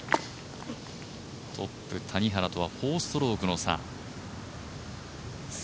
トップ・谷原とは４ストロークの差。